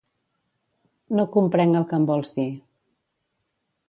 No comprenc el que em vols dir.